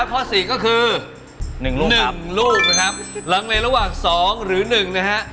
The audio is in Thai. ข้อสิก็คือ๑ลูก